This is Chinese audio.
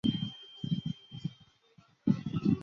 天竺大将棋狮子的升级棋。